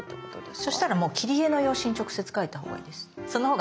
そしたらもう切り絵の用紙に直接描いたほうがいいです。